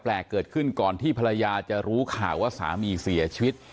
เกิดขึ้นก่อนที่ภรรยาจะรู้ข่าวว่าสามีเสียชีวิต